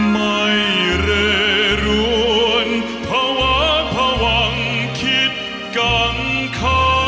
ไม่เร่รวนภาวะผวังคิดกังคา